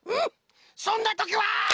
そんなときは！